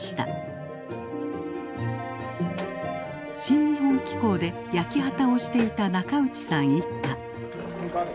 「新日本紀行」で焼畑をしていた中内さん一家。